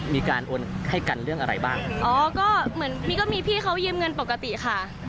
มีการโอนให้กันเรื่องอะไรบ้างอ๋อก็เหมือนมีก็มีพี่เขายืมเงินปกติค่ะ